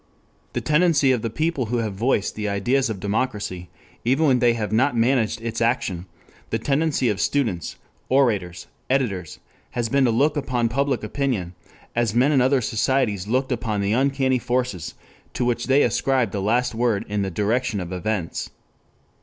The tendency of the people who have voiced the ideas of democracy, even when they have not managed its action, the tendency of students, orators, editors, has been to look upon Public Opinion as men in other societies looked upon the uncanny forces to which they ascribed the last word in the direction of events.